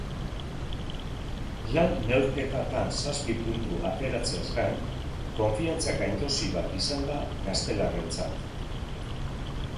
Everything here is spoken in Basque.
Lau neurketatan zazpi puntu ateratzeaz gain, konfiantza gaindosi bat izan da gaztelarrentzat.